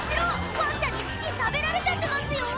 ワンちゃんにチキン食べられちゃってますよ！